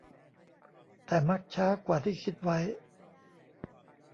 แต่มักช้ากว่าที่คิดไว้